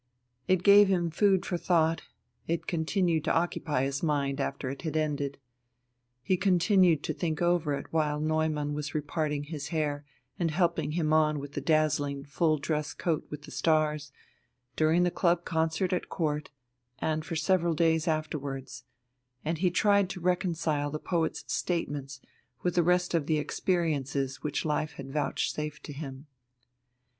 It gave him food for thought, it continued to occupy his mind after it had ended. He continued to think over it while Neumann was reparting his hair and helping him on with the dazzling full dress coat with the stars, during the club concert at Court, and for several days afterwards, and he tried to reconcile the poet's statements with the rest of the experiences which life had vouchsafed to him.